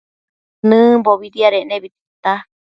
Nëmbobi diadebi tita